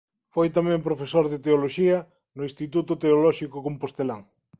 Foi tamén profesor de Teoloxía no Instituto Teolóxico Compostelán.